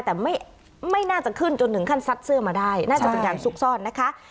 แต่ไม่น่าจะขึ้นจนถึงขั้นซัดเสื้อมาได้น่าจะเป็นการซุกซ่อนนะคะ